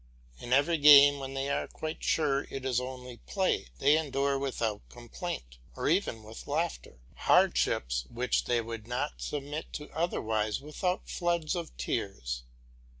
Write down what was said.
In every game, when they are quite sure it is only play, they endure without complaint, or even with laughter, hardships which they would not submit to otherwise without floods of tears.